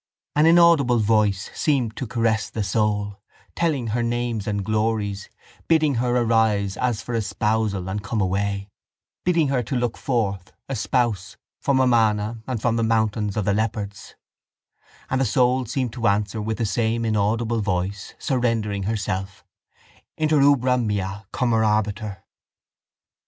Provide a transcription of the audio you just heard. An inaudible voice seemed to caress the soul, telling her names and glories, bidding her arise as for espousal and come away, bidding her look forth, a spouse, from Amana and from the mountains of the leopards; and the soul seemed to answer with the same inaudible voice, surrendering herself: _Inter ubera mea commorabitur.